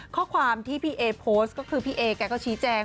ข้อความที่พี่เอโพสต์ก็คือพี่เอแกก็ชี้แจง